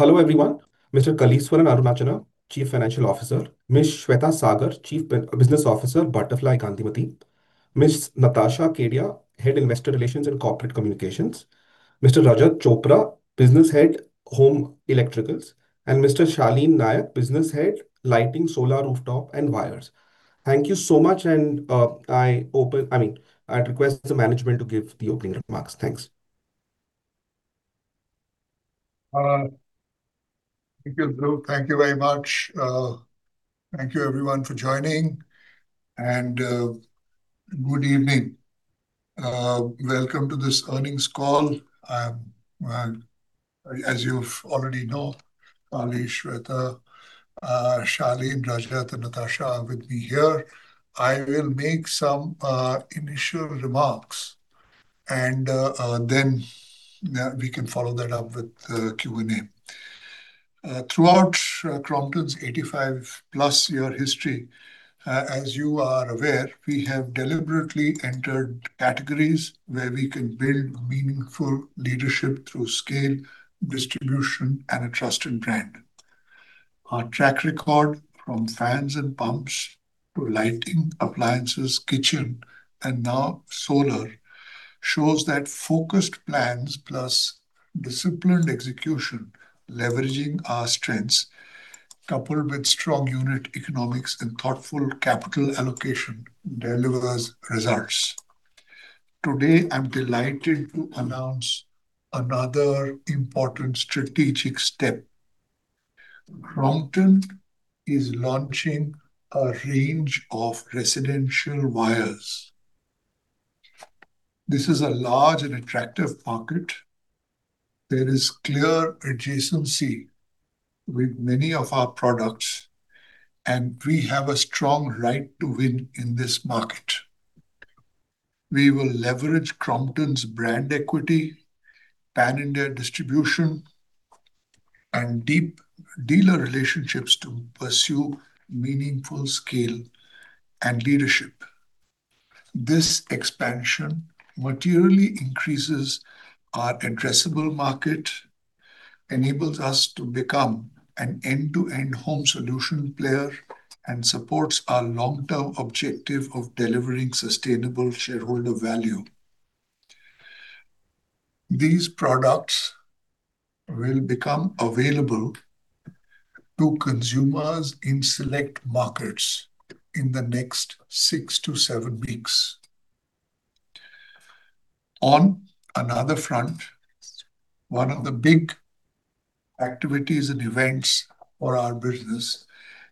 Hello everyone. Mr. Kaleeswaran Arunachalam, Chief Financial Officer; Ms. Shweta Sagar, Chief Business Officer, Butterfly Gandhimathi; Ms. Natasha Kedia, Head Investor Relations and Corporate Communications; Mr. Rajat Chopra, Business Head, Home Electricals; and Mr. Shaleen Nayak, Business Head, Lighting, Solar, Rooftop, and Wires. Thank you so much, and, I open—I mean, I'd request the management to give the opening remarks. Thanks. Thank you, Drew. Thank you very much. Thank you everyone for joining, and good evening. Welcome to this earnings call. I'm, as you already know, Promeet, Shweta, Shaleen, Rajat, and Natasha are with me here. I will make some initial remarks, and then we can follow that up with the Q&A. Throughout Crompton's 85+-year history, as you are aware, we have deliberately entered categories where we can build meaningful leadership through scale, distribution, and a trusted brand. Our track record, from fans and pumps to lighting, appliances, kitchen, and now solar, shows that focused plans plus disciplined execution, leveraging our strengths, coupled with strong unit economics and thoughtful capital allocation, delivers results. Today I'm delighted to announce another important strategic step: Crompton is launching a range of residential wires. This is a large and attractive market. There is clear adjacency with many of our products, and we have a strong right to win in this market. We will leverage Crompton's brand equity, pan-India distribution, and deep dealer relationships to pursue meaningful scale and leadership. This expansion materially increases our addressable market, enables us to become an end-to-end home solution player, and supports our long-term objective of delivering sustainable shareholder value. These products will become available to consumers in select markets in the next 6-7 weeks. On another front, one of the big activities and events for our business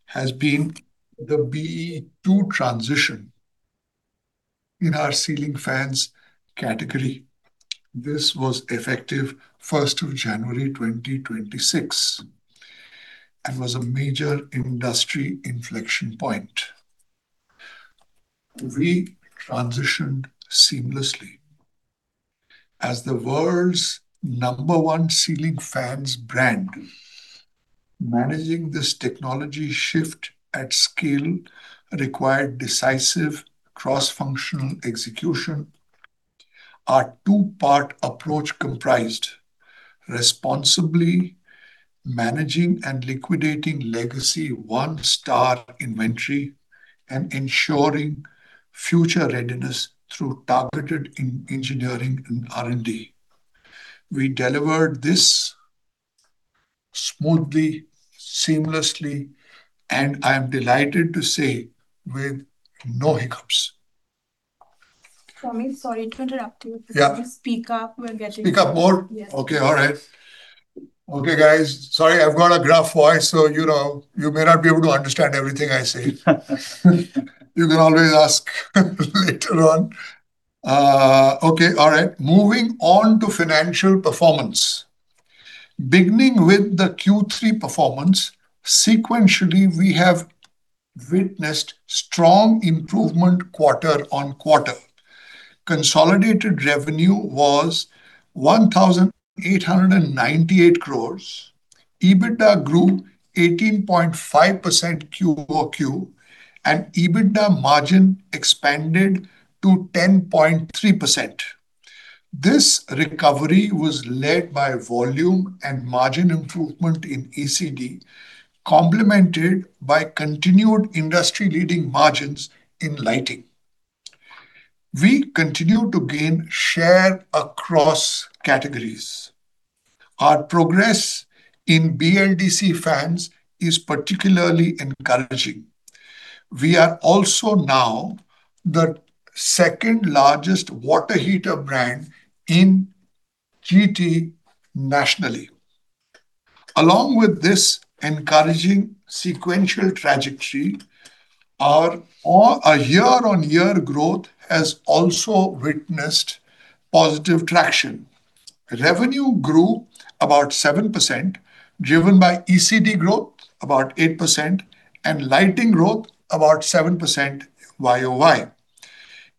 has been the BEE transition in our ceiling fans category. This was effective 1st of January 2026 and was a major industry inflection point. We transitioned seamlessly. As the world's number one ceiling fans brand, managing this technology shift at scale required decisive cross-functional execution. Our two-part approach comprised: responsibly managing and liquidating legacy one-star inventory and ensuring future readiness through targeted engineering and R&D. We delivered this smoothly, seamlessly, and I'm delighted to say, with no hiccups. Promeet, sorry to interrupt you. Can you speak up? We're getting. Speak up more? Yes. Okay, all right. Okay, guys, sorry, I've got a rough voice, so, you know, you may not be able to understand everything I say. You can always ask later on. Okay, all right, moving on to financial performance. Beginning with the Q3 performance, sequentially we have witnessed strong improvement quarter-on-quarter. Consolidated revenue was 1,898 crores, EBITDA grew 18.5% QOQ, and EBITDA margin expanded to 10.3%. This recovery was led by volume and margin improvement in ECD, complemented by continued industry-leading margins in lighting. We continue to gain share across categories. Our progress in BLDC fans is particularly encouraging. We are also now the second-largest water heater brand in GT nationally. Along with this encouraging sequential trajectory, our year-on-year growth has also witnessed positive traction. Revenue grew about 7%, driven by ECD growth about 8%, and lighting growth about 7% YOY.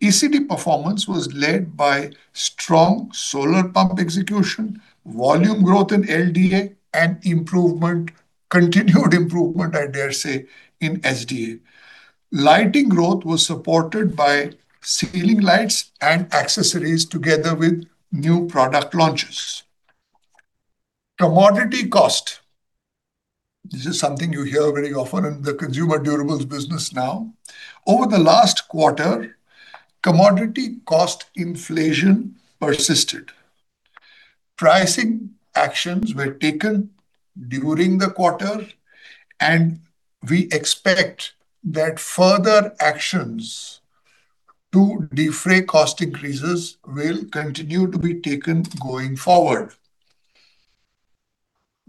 ECD performance was led by strong solar pump execution, volume growth in LDA, and improvement, continued improvement, I dare say, in SDA. Lighting growth was supported by ceiling lights and accessories together with new product launches. Commodity cost, this is something you hear very often in the consumer durables business now, over the last quarter, commodity cost inflation persisted. Pricing actions were taken during the quarter, and we expect that further actions to defray cost increases will continue to be taken going forward.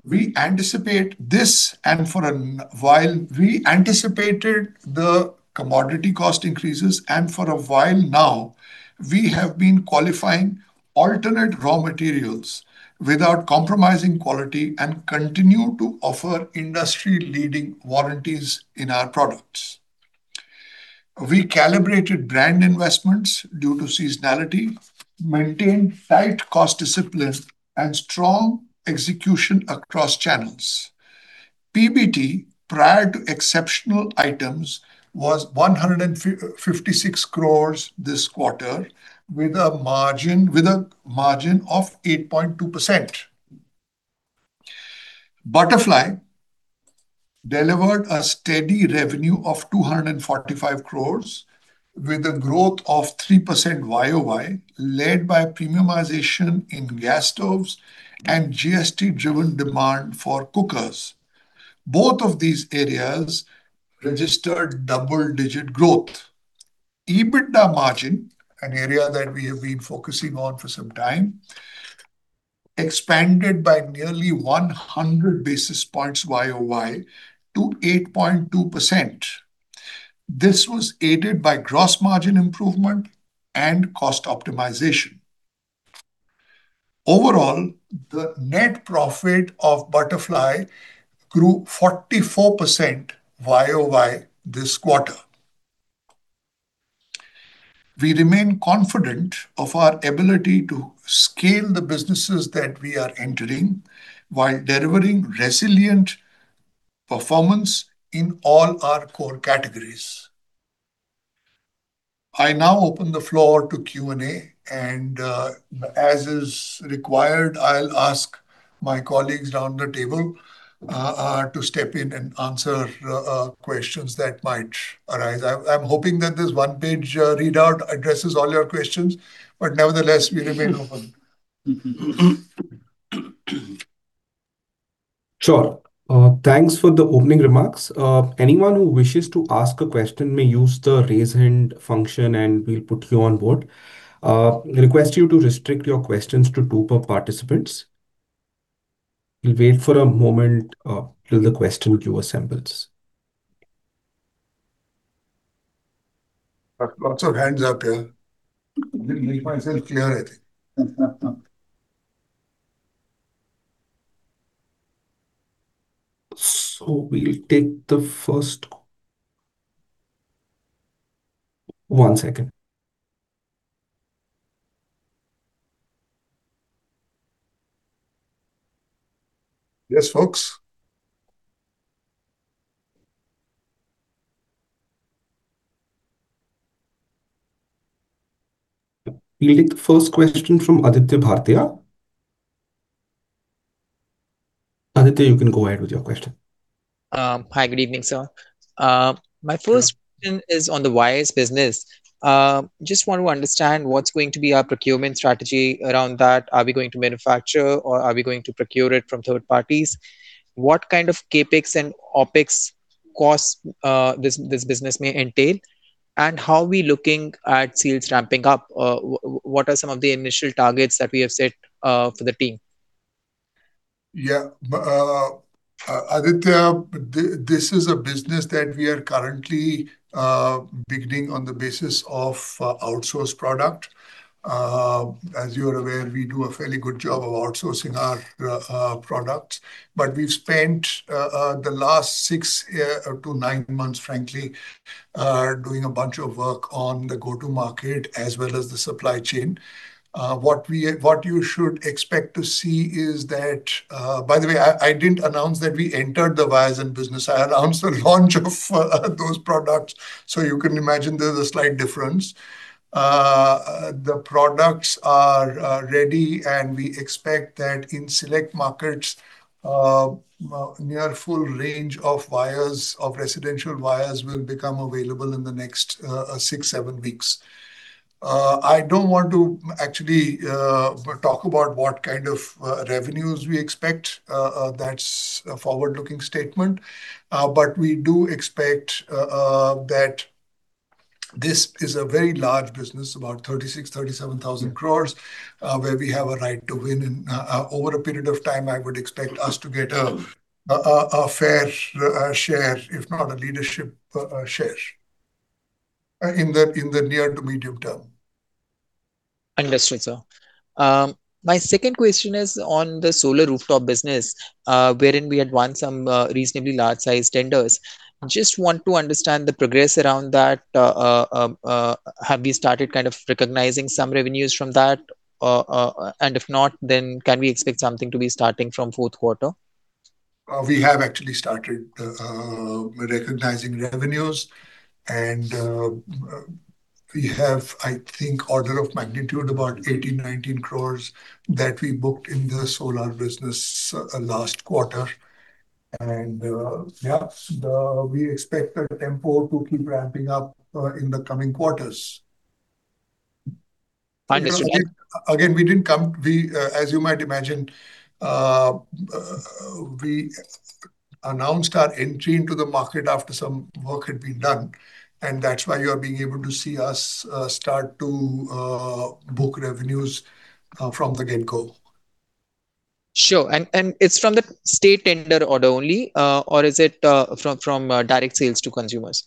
We anticipate this and for a while we anticipated the commodity cost increases, and for a while now we have been qualifying alternate raw materials without compromising quality and continue to offer industry-leading warranties in our products. We calibrated brand investments due to seasonality, maintained tight cost discipline, and strong execution across channels. PBT, prior to exceptional items, was 156 crore this quarter with a margin of 8.2%. Butterfly delivered a steady revenue of 245 crores with a growth of 3% YOY led by premiumization in gas stoves and GST-driven demand for cookers. Both of these areas registered double-digit growth. EBITDA margin, an area that we have been focusing on for some time, expanded by nearly 100 basis points YOY to 8.2%. This was aided by gross margin improvement and cost optimization. Overall, the net profit of Butterfly grew 44% YOY this quarter. We remain confident of our ability to scale the businesses that we are entering while delivering resilient performance in all our core categories. I now open the floor to Q&A, and, as is required, I'll ask my colleagues around the table, to step in and answer, questions that might arise. I'm hoping that this one-page readout addresses all your questions, but nevertheless, we remain open. Sure. Thanks for the opening remarks. Anyone who wishes to ask a question may use the raise hand function, and we'll put you on board. Request you to restrict your questions to two per participant. We'll wait for a moment, till the question queue assembles. Lots of hands up here. Make myself clear, I think. We'll take the first question. One second. Yes, folks. We'll take the first question from Aditya Bhartia. Aditya, you can go ahead with your question. Hi, good evening, sir. My first question is on the wires business. Just want to understand what's going to be our procurement strategy around that. Are we going to manufacture, or are we going to procure it from third parties? What kind of CapEx and OpEx costs this business may entail? And how are we looking at sales ramping up? What are some of the initial targets that we have set for the team? Yeah, Aditya, this is a business that we are currently beginning on the basis of outsourced product. As you are aware, we do a fairly good job of outsourcing our products, but we've spent the last 6-9 months, frankly, doing a bunch of work on the go-to market as well as the supply chain. What you should expect to see is that—by the way, I didn't announce that we entered the wires business. I announced the launch of those products, so you can imagine there's a slight difference. The products are ready, and we expect that in select markets, a near full range of wires—of residential wires—will become available in the next 6-7 weeks. I don't want to actually talk about what kind of revenues we expect. That's a forward-looking statement. but we do expect, that this is a very large business, about 36,000 crore-37,000 crore, where we have a right to win in, over a period of time. I would expect us to get a, a fair share, if not a leadership share, in the near to medium term. Understood, sir. My second question is on the solar rooftop business, wherein we had won some reasonably large-sized tenders. Just want to understand the progress around that. Have we started kind of recognizing some revenues from that? And if not, then can we expect something to be starting from fourth quarter? We have actually started recognizing revenues, and we have, I think, order of magnitude about 18,000-19,000 crores that we booked in the solar business last quarter. And, yeah, we expect the tempo to keep ramping up in the coming quarters. Understood. Again, we didn't come, as you might imagine, we announced our entry into the market after some work had been done, and that's why you are being able to see us start to, book revenues from the get-go. Sure. It's from the state tender order only, or is it from direct sales to consumers?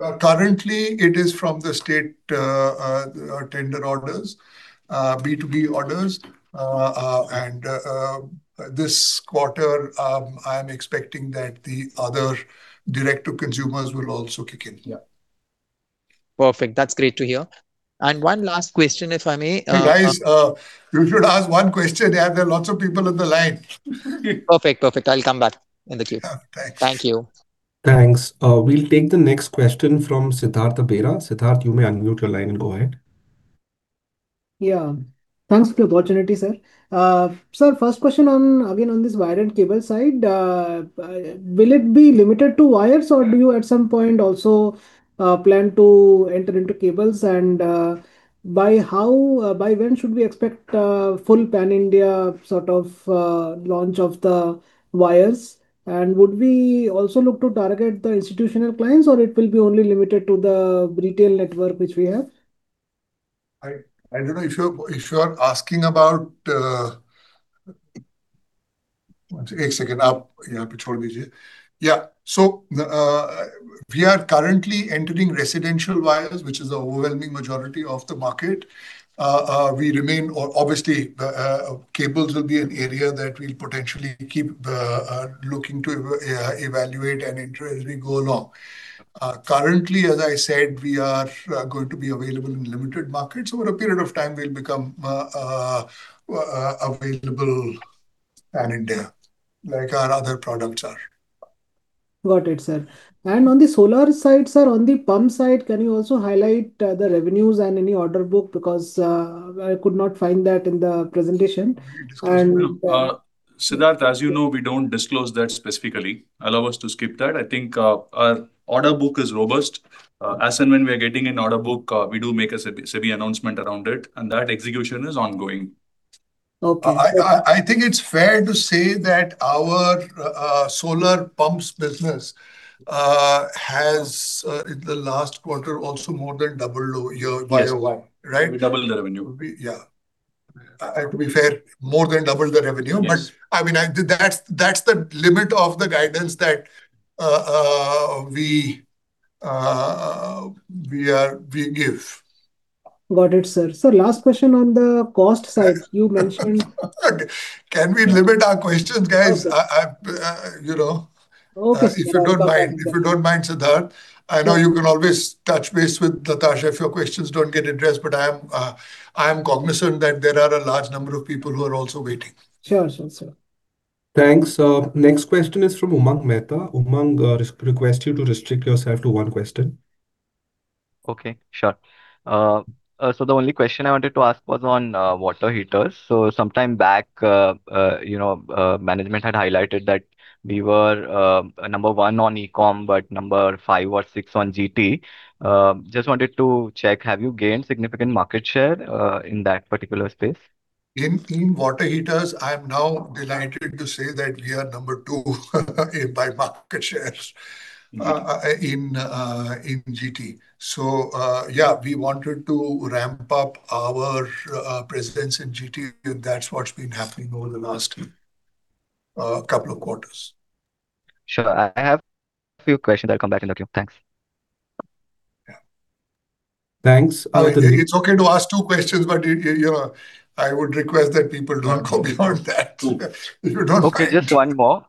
Currently, it is from the state tender orders, B2B orders, and this quarter I am expecting that the other direct-to-consumers will also kick in. Yeah. Perfect. That's great to hear. One last question, if I may. Hey, guys, you should ask one question. There are lots of people on the line. Perfect, perfect. I'll come back in the queue. Thanks. Thank you. Thanks. We'll take the next question from Siddhartha Bera. Siddhartha, you may unmute your line and go ahead. Yeah. Thanks for the opportunity, sir. Sir, first question on, again, on this wire and cable side. Will it be limited to wires, or do you at some point also plan to enter into cables? And, by how—by when should we expect full pan-India sort of launch of the wires? And would we also look to target the institutional clients, or it will be only limited to the retail network which we have? I don't know if you are asking about—yeah, but chhod dijiye. Yeah, so, we are currently entering residential wires, which is the overwhelming majority of the market. We remain, obviously, cables will be an area that we'll potentially keep looking to evaluate and enter as we go along. Currently, as I said, we are going to be available in limited markets, so over a period of time we'll become available pan-India, like our other products are. Got it, sir. And on the solar side, sir, on the pump side, can you also highlight the revenues and any order book? Because I could not find that in the presentation. Siddhartha, as you know, we don't disclose that specifically. Allow us to skip that. I think our order book is robust. As and when we are getting an order book, we do make a heavy announcement around it, and that execution is ongoing. Okay. I think it's fair to say that our solar pumps business has, in the last quarter, also more than doubled your wires, right? Yes, right. We doubled the revenue. Yeah. To be fair, more than doubled the revenue, but I mean, that's the limit of the guidance that we give. Got it, sir. Sir, last question on the cost side. You mentioned. Can we limit our questions, guys? You know, if you don't mind. Okay. If you don't mind, Siddhartha, I know you can always touch base with Natasha if your questions don't get addressed, but I am cognizant that there are a large number of people who are also waiting. Sure, sure, sir. Thanks. Next question is from Umang Mehta. Umang requests you to restrict yourself to one question. Okay, sure. So, the only question I wanted to ask was on water heaters. So, some time back, you know, management had highlighted that we were number 1 on e-com, but number 5 or 6 on GT. Just wanted to check, have you gained significant market share in that particular space? In water heaters, I am now delighted to say that we are number 2 by market share in GT. So, yeah, we wanted to ramp up our presence in GT, and that's what's been happening over the last couple of quarters. Sure. I have a few questions that will come back in the queue. Thanks. Thanks. It's okay to ask two questions, but you know, I would request that people don't go beyond that. You don't have to. Okay, just one more.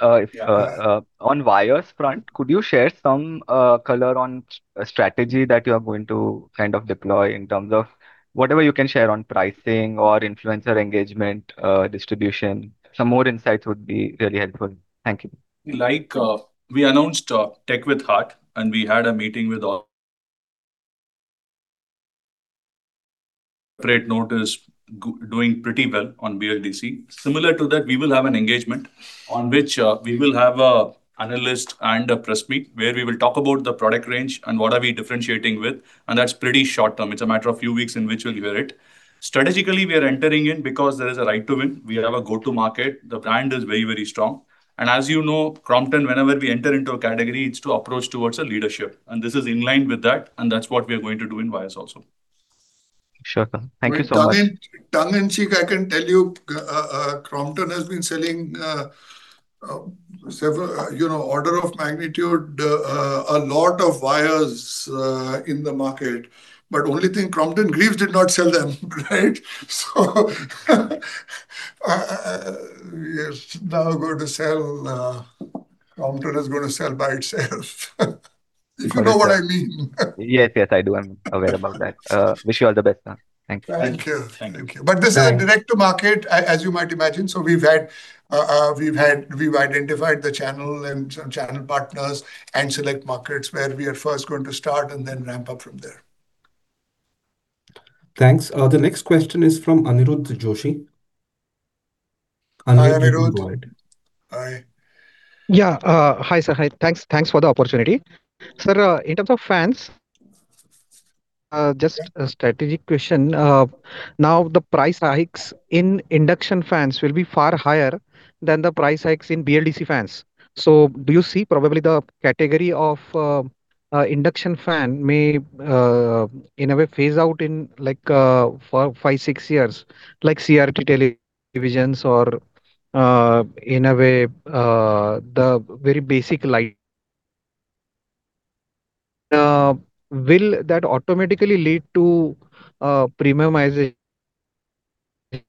On wires front, could you share some color on strategy that you are going to kind of deploy in terms of whatever you can share on pricing or influencer engagement, distribution? Some more insights would be really helpful. Thank you. Like we announced Tech with Heart, and we had a meeting with—on a separate note, it's doing pretty well on BLDC. Similar to that, we will have an engagement on which we will have an analyst and a press meet where we will talk about the product range and what are we differentiating with, and that's pretty short term. It's a matter of a few weeks in which we'll hear it. Strategically, we are entering in because there is a right to win. We have a go-to-market. The brand is very, very strong. And as you know, Crompton, whenever we enter into a category, it's to approach towards leadership, and this is in line with that, and that's what we are going to do in wires also. Sure, sir. Thank you so much. Tongue-in-cheek, I can tell you, Crompton has been selling, you know, order of magnitude a lot of wires in the market, but the only thing Crompton Greaves did not sell them, right? So, yes, now go to sell - Crompton is going to sell by itself, if you know what I mean. Yes, yes, I do. I'm aware about that. Wish you all the best, sir. Thank you. Thank you. But this is a direct-to-market, as you might imagine, so we've identified the channel and some channel partners and select markets where we are first going to start and then ramp up from there. Thanks. The next question is from Aniruddha Joshi. Hi, Aniruddh. Yeah, hi, sir. Thanks for the opportunity. Sir, in terms of fans, just a strategic question. Now, the price hikes in induction fans will be far higher than the price hikes in BLDC fans. So, do you see probably the category of induction fan may, in a way, phase out in like 5-6 years, like CRT televisions or, in a way, the very basic light? Will that automatically lead to premiumizing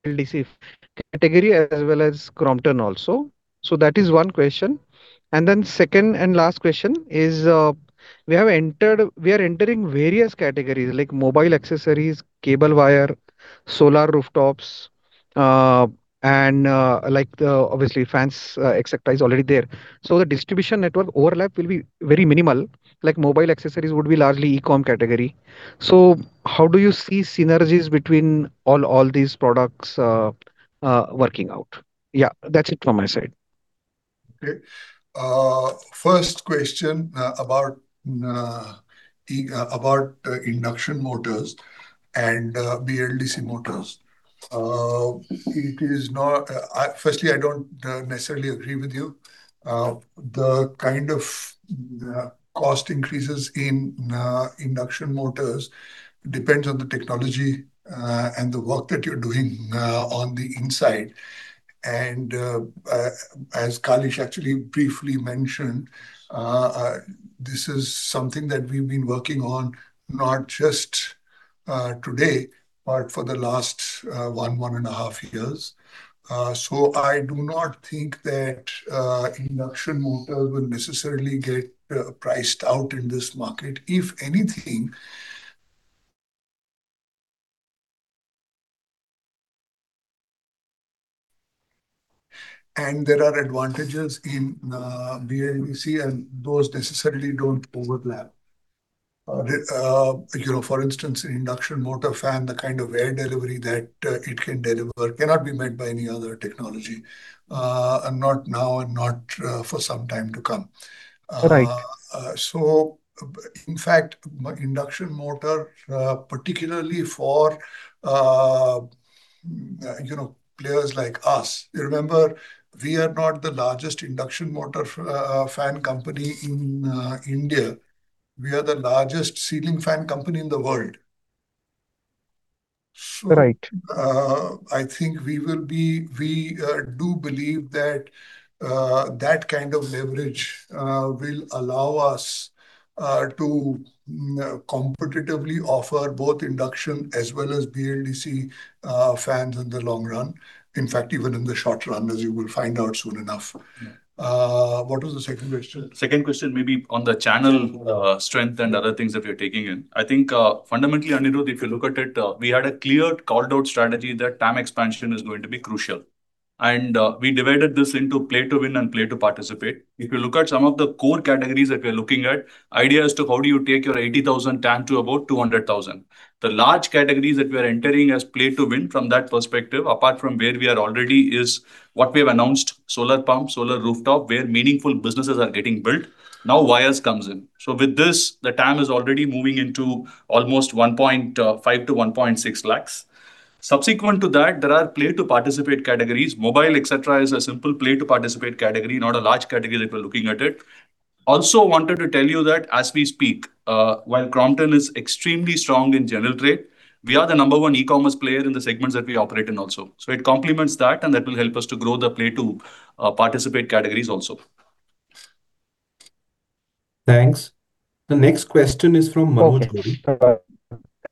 BLDC category as well as Crompton also? So, that is one question. And then second and last question is, we are entering various categories like mobile accessories, cable wire, solar rooftops, and obviously, fans etc. is already there. So, the distribution network overlap will be very minimal. Like mobile accessories would be largely e-com category. So, how do you see synergies between all these products working out? Yeah, that's it from my side. Okay. First question about induction motors and BLDC motors. Firstly, I don't necessarily agree with you. The kind of cost increases in induction motors depends on the technology and the work that you're doing on the inside. And as Kaleeswaran actually briefly mentioned, this is something that we've been working on not just today, but for the last 1.5 years. So, I do not think that induction motors will necessarily get priced out in this market, if anything. And there are advantages in BLDC, and those necessarily don't overlap. You know, for instance, an induction motor fan, the kind of air delivery that it can deliver cannot be met by any other technology, not now and not for some time to come. Right. So, in fact, induction motor, particularly for, you know, players like us, you remember, we are not the largest induction motor fan company in India. We are the largest ceiling fan company in the world. Right. I think we will be, we do believe that that kind of leverage will allow us to competitively offer both induction as well as BLDC fans in the long run. In fact, even in the short run, as you will find out soon enough. What was the second question? Second question, maybe on the channel strength and other things that we are taking in. I think fundamentally, Aniruddha, if you look at it, we had a clear called-out strategy that TAM expansion is going to be crucial. We divided this into play-to-win and play-to-participate. If you look at some of the core categories that we are looking at, the idea is to how do you take your 80,000 TAM to about 200,000. The large categories that we are entering as play-to-win from that perspective, apart from where we are already, is what we have announced: solar pump, solar rooftop, where meaningful businesses are getting built. Now, wires come in. So, with this, the TAM is already moving into almost 1.5-1.6 lakhs. Subsequent to that, there are play-to-participate categories. Mobile, etc., is a simple play-to-participate category, not a large category that we're looking at. Also, I wanted to tell you that as we speak, while Crompton is extremely strong in general trade, we are the No. 1 e-commerce player in the segments that we operate in also. So, it complements that, and that will help us to grow the play-to-participate categories also. Thanks. The next question is from Manoj.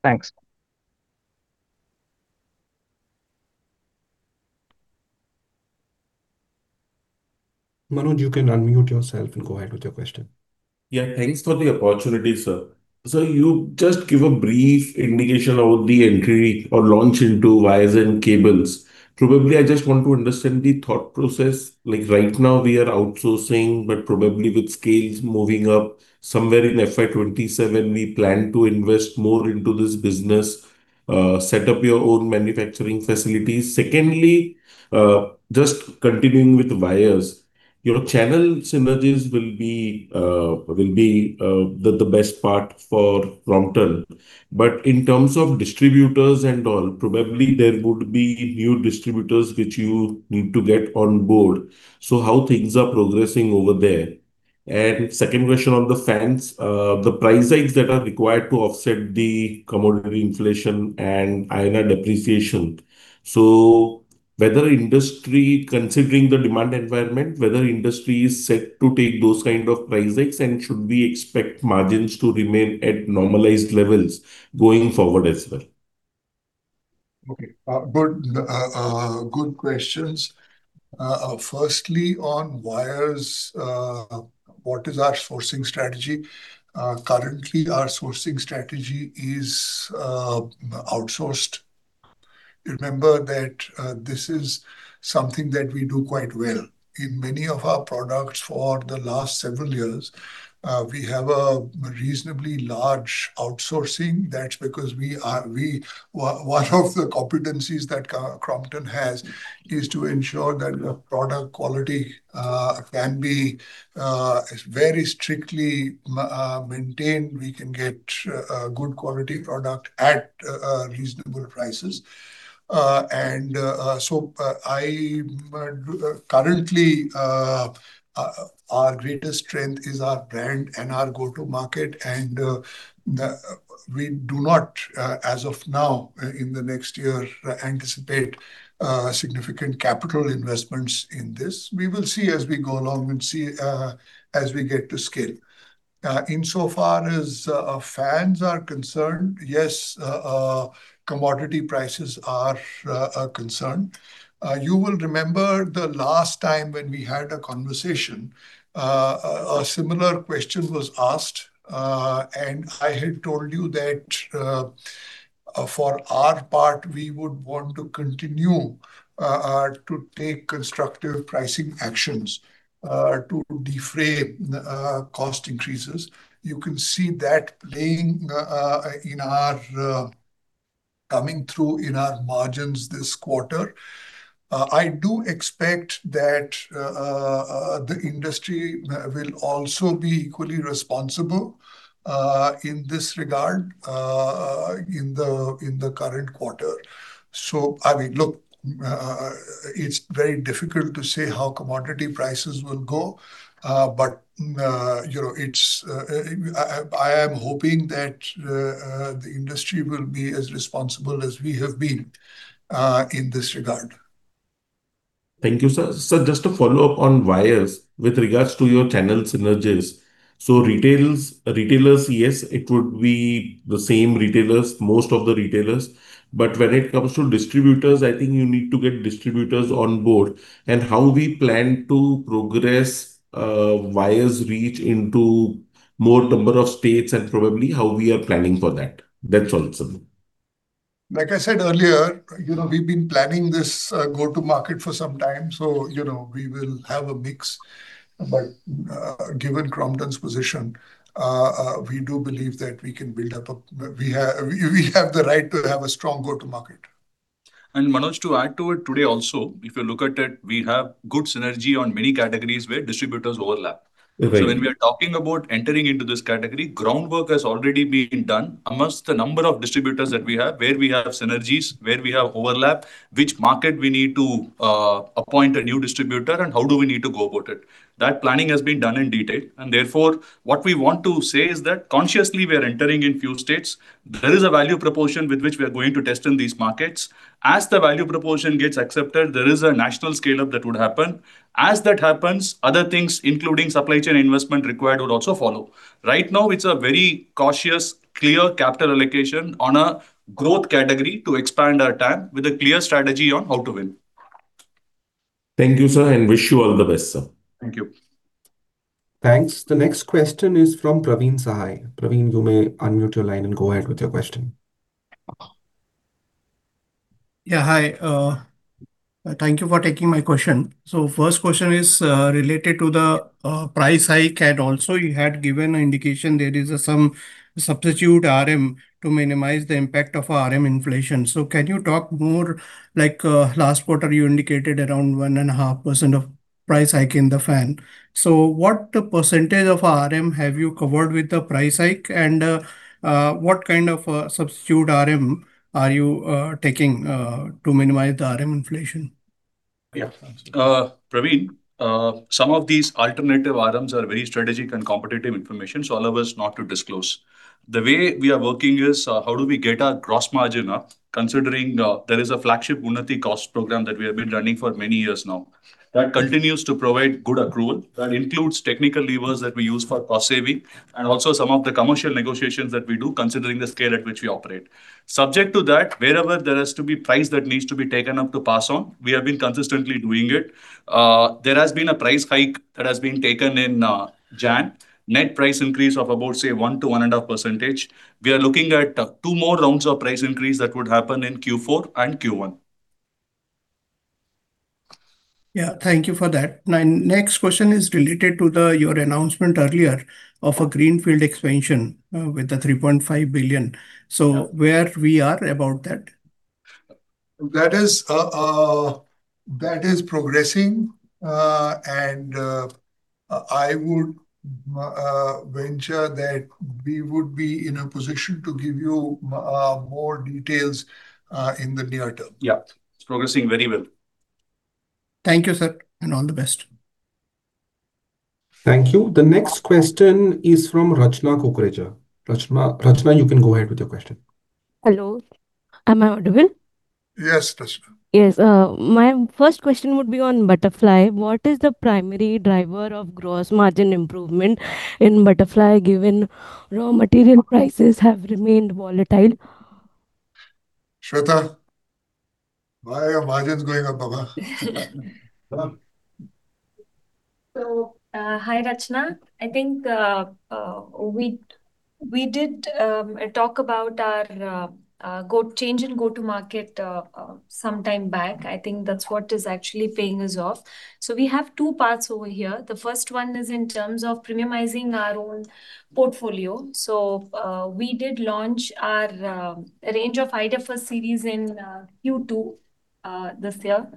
Thanks. Manoj, you can unmute yourself and go ahead with your question. Yeah, thanks for the opportunity, sir. Sir, you just gave a brief indication about the entry or launch into wires and cables. Probably, I just want to understand the thought process. Like right now, we are outsourcing, but probably with scales moving up. Somewhere in FY27, we plan to invest more into this business, set up your own manufacturing facilities. Secondly, just continuing with wires, your channel synergies will be the best part for Crompton. But in terms of distributors and all, probably there would be new distributors which you need to get on board. So, how things are progressing over there? And second question on the fans, the price hikes that are required to offset the commodity inflation and iron depreciation. So, whether industry, considering the demand environment, whether industry is set to take those kinds of price hikes, and should we expect margins to remain at normalized levels going forward as well? Okay. Good questions. Firstly, on wires, what is our sourcing strategy? Currently, our sourcing strategy is outsourced. You remember that this is something that we do quite well. In many of our products for the last several years, we have a reasonably large outsourcing. That's because one of the competencies that Crompton has is to ensure that the product quality can be very strictly maintained. We can get a good quality product at reasonable prices. And so, currently, our greatest strength is our brand and our go-to market, and we do not, as of now, in the next year, anticipate significant capital investments in this. We will see as we go along and see as we get to scale. Insofar as fans are concerned, yes, commodity prices are concerned. You will remember the last time when we had a conversation, a similar question was asked, and I had told you that for our part, we would want to continue to take constructive pricing actions to defray cost increases. You can see that playing in our coming through in our margins this quarter. I do expect that the industry will also be equally responsible in this regard in the current quarter. So, I mean, look, it's very difficult to say how commodity prices will go, but you know, I am hoping that the industry will be as responsible as we have been in this regard. Thank you, sir. Sir, just to follow up on wires with regards to your channel synergies. So, retailers, yes, it would be the same retailers, most of the retailers. But when it comes to distributors, I think you need to get distributors on board and how we plan to progress wires reach into more number of states and probably how we are planning for that. That's all. Like I said earlier, you know, we've been planning this go-to market for some time. So, you know, we will have a mix. But given Crompton's position, we do believe that we can build up a—we have the right to have a strong go-to market. Manoj, to add to it today also, if you look at it, we have good synergy on many categories where distributors overlap. So, when we are talking about entering into this category, groundwork has already been done amongst the number of distributors that we have, where we have synergies, where we have overlap, which market we need to appoint a new distributor, and how do we need to go about it. That planning has been done in detail. And therefore, what we want to say is that consciously we are entering in few states. There is a value proposition with which we are going to test in these markets. As the value proposition gets accepted, there is a national scale-up that would happen. As that happens, other things, including supply chain investment required, would also follow. Right now, it's a very cautious, clear capital allocation on a growth category to expand our TAM with a clear strategy on how to win. Thank you, sir, and wish you all the best, sir. Thank you. Thanks. The next question is from Praveen Sahay. Praveen, you may unmute your line and go ahead with your question. Yeah, hi. Thank you for taking my question. So, first question is related to the price hike, and also you had given an indication there is some substitute RM to minimize the impact of RM inflation. So, can you talk more? Like last quarter, you indicated around 1.5% of price hike in the fan. So, what percentage of RM have you covered with the price hike, and what kind of substitute RM are you taking to minimize the RM inflation? Yeah, thanks. Praveen, some of these alternative RMs are very strategic and competitive information, so allow us not to disclose. The way we are working is how do we get our gross margin up, considering there is a flagship unity cost program that we have been running for many years now that continues to provide good accrual, that includes technical levers that we use for cost saving, and also some of the commercial negotiations that we do considering the scale at which we operate. Subject to that, wherever there has to be price that needs to be taken up to pass on, we have been consistently doing it. There has been a price hike that has been taken in January, net price increase of about, say, 1%-1.5%. We are looking at two more rounds of price increase that would happen in Q4 and Q1. Yeah, thank you for that. My next question is related to your announcement earlier of a greenfield expansion with the 3.5 billion. So, where we are about that? That is progressing, and I would venture that we would be in a position to give you more details in the near term. Yeah, it's progressing very well. Thank you, sir, and all the best. Thank you. The next question is from Rachna Kukreja. Rachna, you can go ahead with your question. Hello. Am I audible? Yes, please. Yes. My first question would be on Butterfly. What is the primary driver of gross margin improvement in Butterfly given raw material prices have remained volatile? Shweta, why are margins going up, Baba? So, hi Rachna. I think we did talk about our change in go-to-market some time back. I think that's what is actually paying us off. So, we have two parts over here. The first one is in terms of preimmunizing our own portfolio. So, we did launch our range of IDFS series in Q2 this year,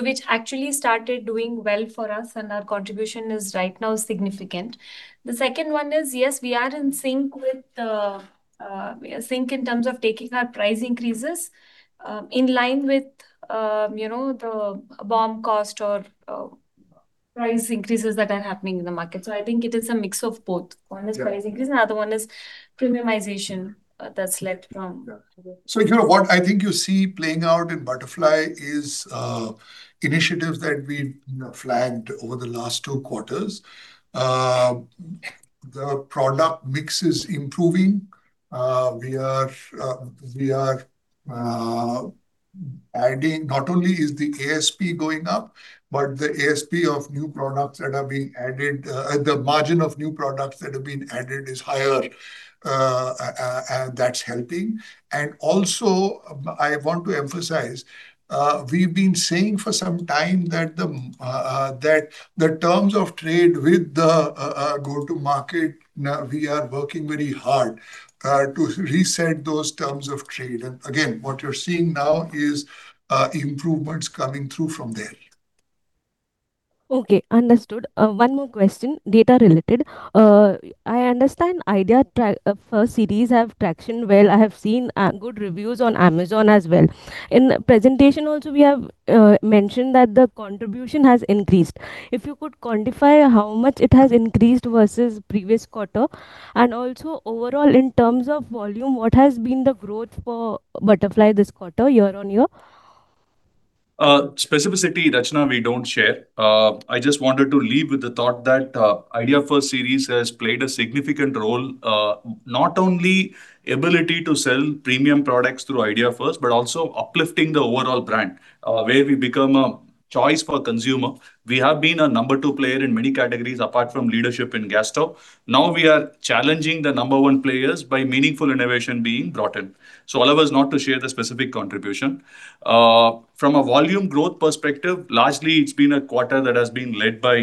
which actually started doing well for us, and our contribution is right now significant. The second one is, yes, we are in sync with in terms of taking our price increases in line with, you know, the BOM cost or price increases that are happening in the market. So, I think it is a mix of both. One is price increase, and the other one is premiumization that's led from. So, you know, what I think you see playing out in Butterfly is initiatives that we flagged over the last two quarters. The product mix is improving. We are adding not only is the ASP going up, but the ASP of new products that are being added, the margin of new products that have been added is higher, and that's helping. And also, I want to emphasize, we've been saying for some time that the terms of trade with the go-to market, we are working very hard to reset those terms of trade. And again, what you're seeing now is improvements coming through from there. Okay, understood. One more question, data-related. I understand IDFS series have traction well. I have seen good reviews on Amazon as well. In the presentation, also, we have mentioned that the contribution has increased. If you could quantify how much it has increased versus previous quarter, and also overall in terms of volume, what has been the growth for Butterfly this quarter, year-over-year? Specificity, Rachna, we don't share. I just wanted to leave with the thought that IDFS series has played a significant role, not only the ability to sell premium products through IDFS, but also uplifting the overall brand where we become a choice for consumers. We have been a number two player in many categories apart from leadership in Gas Stove. Now, we are challenging the number one players by meaningful innovation being brought in. So, allow us not to share the specific contribution. From a volume growth perspective, largely, it's been a quarter that has been led by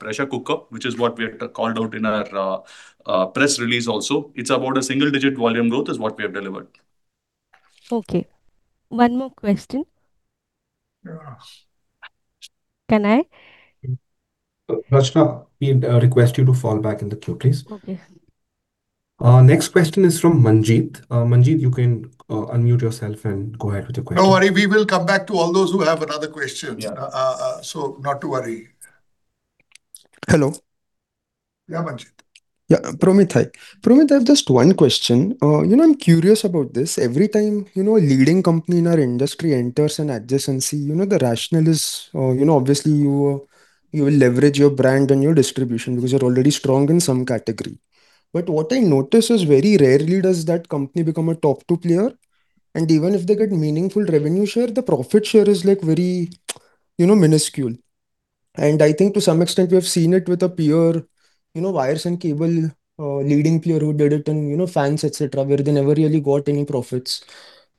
premium cookware, which is what we have called out in our press release also. It's about a single-digit volume growth is what we have delivered. Okay. One more question. Can I? Rachna, we request you to fall back in the queue, please. Okay. Next question is from Manjeet. Manjeet, you can unmute yourself and go ahead with your question. No worry. We will come back to all those who have another question. So, not to worry. Hello. Yeah, Manjeet. Yeah, Promeet. Hi. Promeet, I have just one question. You know, I'm curious about this. Every time, you know, a leading company in our industry enters an adjacency, you know, the rationale is, you know, obviously, you will leverage your brand and your distribution because you're already strong in some category. But what I notice is very rarely does that company become a top two player. And even if they get meaningful revenue share, the profit share is like very, you know, minuscule. And I think to some extent, we have seen it with a pure, you know, wires and cable leading player who did it and, you know, fans, etc., where they never really got any profits.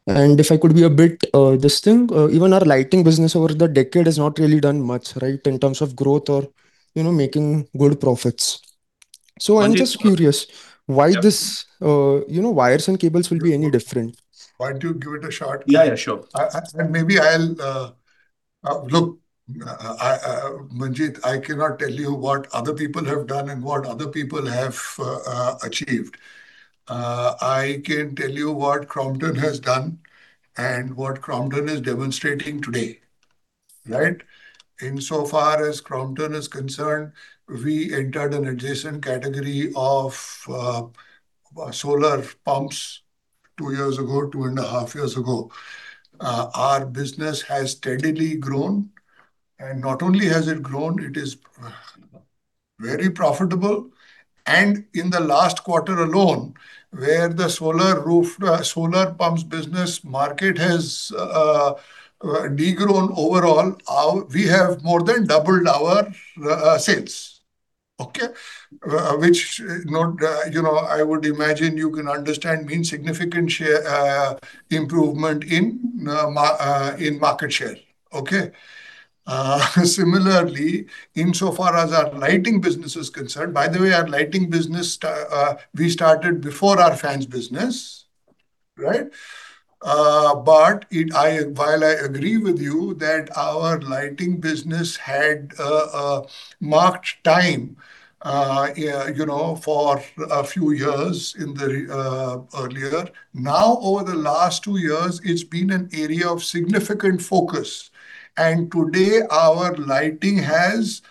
And if I could be a bit blunt, even our lighting business over the decade has not really done much, right, in terms of growth or, you know, making good profits. I'm just curious why this, you know, wires and cables will be any different? Why don't you give it a shot? Yeah, yeah, sure. Maybe I'll look, Manjeet, I cannot tell you what other people have done and what other people have achieved. I can tell you what Crompton has done and what Crompton is demonstrating today, right? Insofar as Crompton is concerned, we entered an adjacent category of solar pumps 2 years ago, 2.5 years ago. Our business has steadily grown, and not only has it grown, it is very profitable. In the last quarter alone, where the solar rooftop, solar pumps business market has degrown overall, we have more than doubled our sales, okay, which, you know, I would imagine you can understand means significant improvement in market share, okay? Similarly, insofar as our lighting business is concerned, by the way, our lighting business, we started before our fans' business, right? But while I agree with you that our lighting business had a marked time, you know, for a few years earlier, now over the last two years, it's been an area of significant focus. And today, our lighting has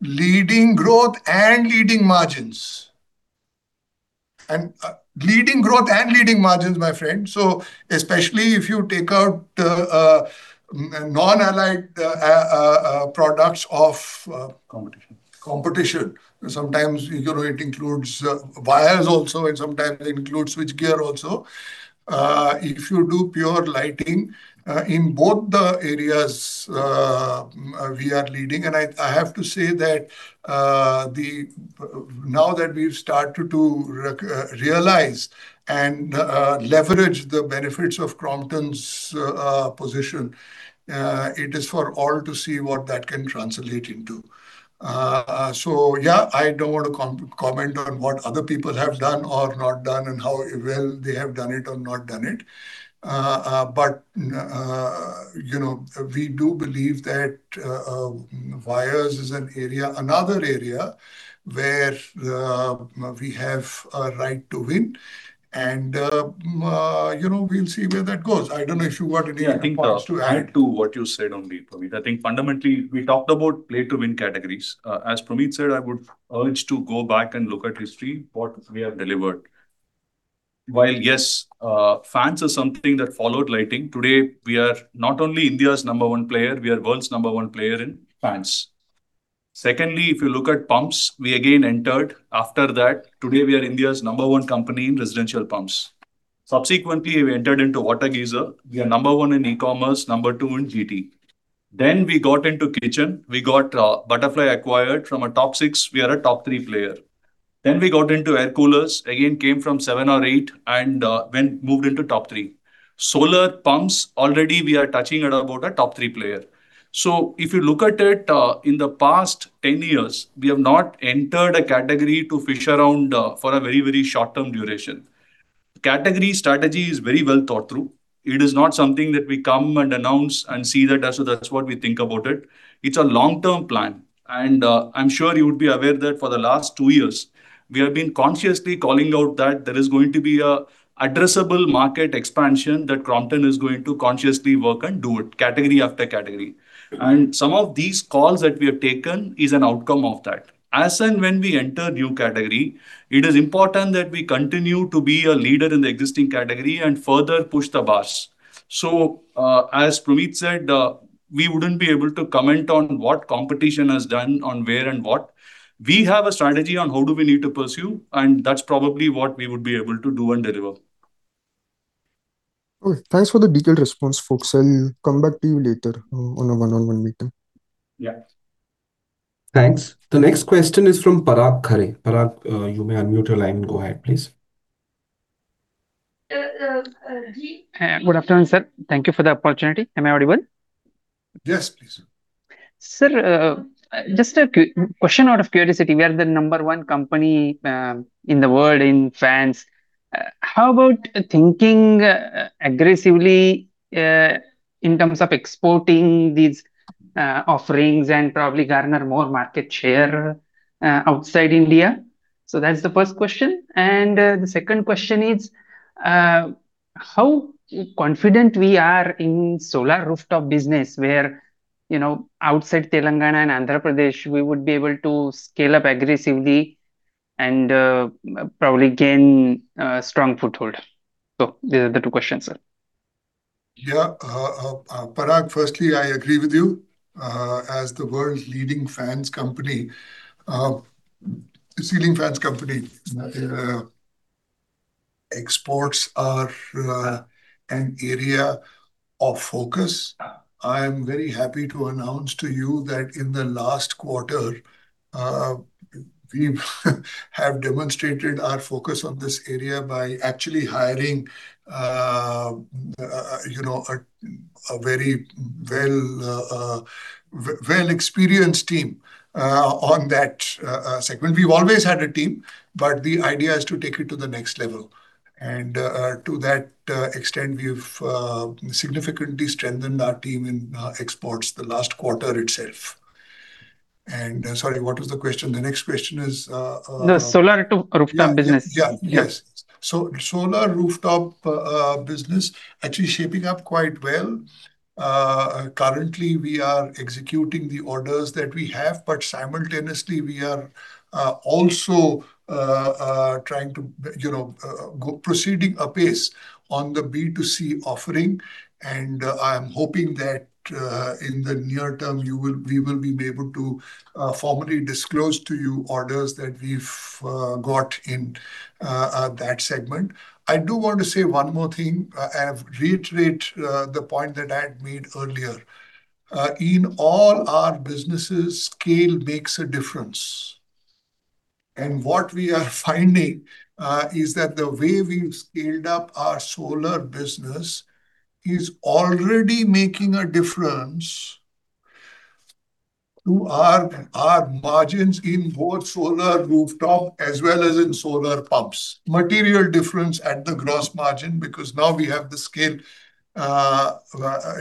leading growth and leading margins. And leading growth and leading margins, my friend. So, especially if you take out non-allied products of. Competition. Competition. Sometimes, you know, it includes wires also, and sometimes it includes switchgear also. If you do pure lighting in both the areas, we are leading. And I have to say that now that we've started to realize and leverage the benefits of Crompton's position, it is for all to see what that can translate into. So, yeah, I don't want to comment on what other people have done or not done and how well they have done it or not done it. But, you know, we do believe that wires is an area, another area where we have a right to win. And, you know, we'll see where that goes. I don't know if you got anything else to add. I think to add to what you said, only, Promeet, I think fundamentally we talked about play-to-win categories. As Promeet said, I would urge to go back and look at history, what we have delivered. While, yes, fans are something that followed lighting. Today, we are not only India's number one player, we are the world's number one player in fans. Secondly, if you look at pumps, we again entered. After that, today we are India's number one company in residential pumps. Subsequently, we entered into water geyser. We are number one in e-commerce, number two in GT. Then we got into kitchen. We got Butterfly acquired from a top six. We are a top three player. Then we got into air coolers. Again, came from seven or eight and then moved into top three. Solar pumps, already we are touching at about a top three player. So, if you look at it, in the past 10 years, we have not entered a category to fish around for a very, very short-term duration. Category strategy is very well thought through. It is not something that we come and announce and see that, so that's what we think about it. It's a long-term plan. And I'm sure you would be aware that for the last 2 years, we have been consciously calling out that there is going to be an addressable market expansion that Crompton is going to consciously work and do it, category after category. And some of these calls that we have taken are an outcome of that. As and when we enter a new category, it is important that we continue to be a leader in the existing category and further push the bars. As Promeet said, we wouldn't be able to comment on what competition has done, on where and what. We have a strategy on how do we need to pursue, and that's probably what we would be able to do and deliver. Okay, thanks for the detailed response, folks. I'll come back to you later on a one-on-one meeting. Yeah. Thanks. The next question is from Parag Khare. Parag, you may unmute your line and go ahead, please. Good afternoon, sir. Thank you for the opportunity. Am I audible? Yes, please. Sir, just a question out of curiosity. We are the number one company in the world in fans. How about thinking aggressively in terms of exporting these offerings and probably garner more market share outside India? So, that's the first question. And the second question is how confident we are in solar rooftop business where, you know, outside Telangana and Andhra Pradesh, we would be able to scale up aggressively and probably gain a strong foothold. So, these are the two questions, sir. Yeah, Parag, firstly, I agree with you. As the world's leading fans company, exports are an area of focus. I am very happy to announce to you that in the last quarter, we have demonstrated our focus on this area by actually hiring, you know, a very well-experienced team on that segment. We've always had a team, but the idea is to take it to the next level. And to that extent, we've significantly strengthened our team in exports the last quarter itself. And sorry, what was the question? The next question is. No, solar rooftop business. Yeah, yes. So, solar rooftop business is actually shaping up quite well. Currently, we are executing the orders that we have, but simultaneously, we are also trying to, you know, proceed apace on the B2C offering. And I am hoping that in the near term, we will be able to formally disclose to you orders that we've got in that segment. I do want to say one more thing. I have reiterated the point that I had made earlier. In all our businesses, scale makes a difference. And what we are finding is that the way we've scaled up our solar business is already making a difference to our margins in both solar rooftop as well as in solar pumps. Material difference at the gross margin because now we have the scale,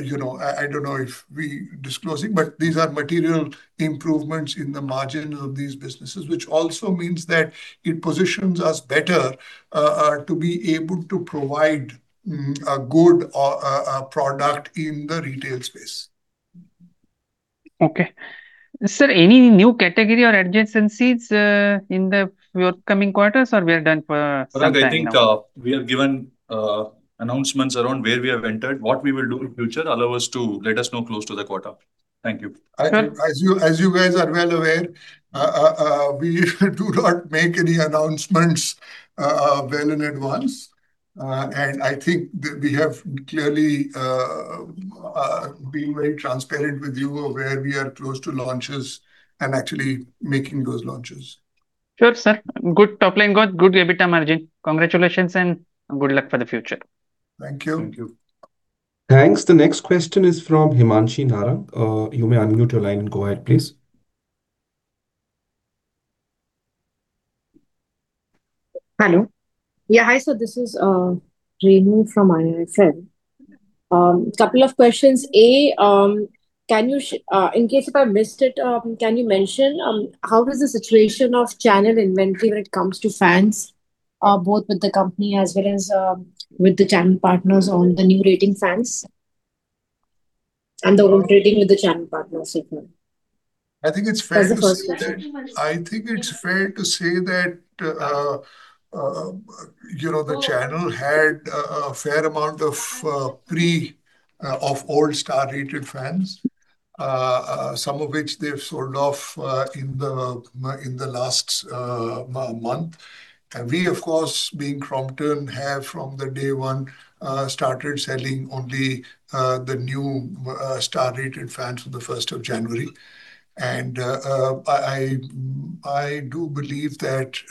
you know, I don't know if we are disclosing, but these are material improvements in the margins of these businesses, which also means that it positions us better to be able to provide a good product in the retail space. Okay. Sir, any new category or adjacencies in the upcoming quarters or we are done for? Parag, I think we have given announcements around where we have entered. What we will do in the future allows us to let us know close to the quarter. Thank you. As you guys are well aware, we do not make any announcements well in advance. I think we have clearly been very transparent with you where we are close to launches and actually making those launches. Sure, sir. Good top line, good EBITDA margin. Congratulations and good luck for the future. Thank you. Thank you. Thanks. The next question is from Himanshi Narang. You may unmute your line and go ahead, please. Hello. Yeah, hi, sir. This is Renu from IIFL. A couple of questions. A, in case if I missed it, can you mention how is the situation of channel inventory when it comes to fans, both with the company as well as with the channel partners on the new rating fans and the old rating with the channel partners so far? I think it's fair to say that, you know, the channel had a fair amount of pre-old star rated fans, some of which they've sold off in the last month. We, of course, being Crompton, have from day one started selling only the new star rated fans from the 1st of January. I do believe that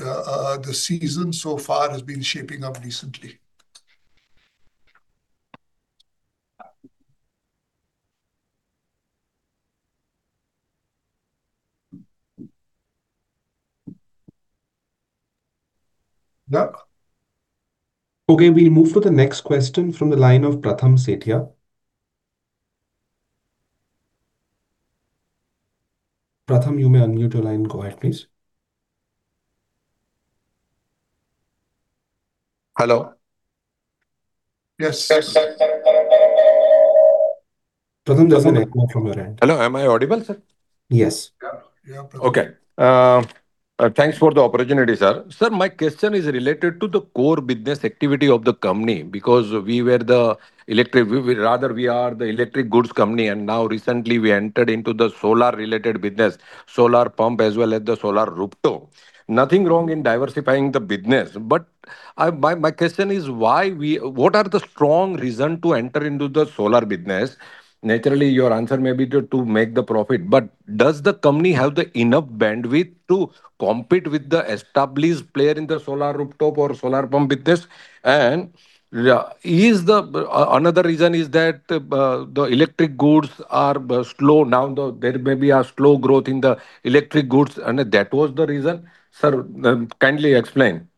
the season so far has been shaping up decently. Yeah. Okay, we'll move to the next question from the line of Pratham Sethia. Pratham, you may unmute your line and go ahead, please. Hello. Yes. Pratham, there's an echo from your end. Hello, am I audible, sir? Yes. Yeah, Pratham. Okay. Thanks for the opportunity, sir. Sir, my question is related to the core business activity of the company because we were the electric rather, we are the electric goods company. And now recently, we entered into the solar-related business, solar pump as well as the solar rooftop. Nothing wrong in diversifying the business. But my question is why we what are the strong reasons to enter into the solar business? Naturally, your answer may be to make the profit. But does the company have enough bandwidth to compete with the established player in the solar rooftop or solar pump business? And is the another reason is that the electric goods are slow now? There may be a slow growth in the electric goods, and that was the reason. Sir, kindly explain.